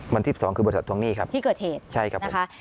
วันที่สองคือบริษัททวงหนี้ครับที่เกิดเหตุใช่ครับ